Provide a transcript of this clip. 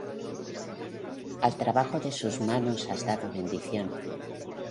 Al trabajo de sus manos has dado bendición;